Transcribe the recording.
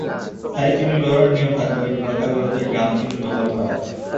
স্থায়ী চিমনি ব্যবহারের নিয়ম থাকলেও ইটভাটাগুলোতে ড্রাম চিমনি ব্যবহার করা হয়।